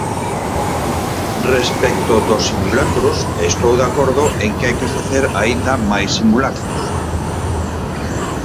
Respecto dos simulacros, estou de acordo en que hai que facer aínda máis simulacros.